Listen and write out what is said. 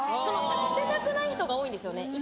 捨てたくない人が多いんですよね。